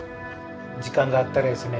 時間があったらですね